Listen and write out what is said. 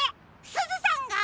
すずさんが？